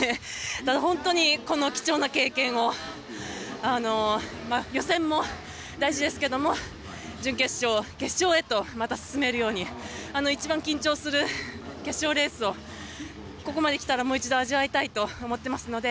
ただ、本当に貴重な経験を予選も大事ですけども準決勝、決勝へとまた進めるように、一番緊張する決勝レースを、ここまで来たらもう一度味わいたいと思っていますので。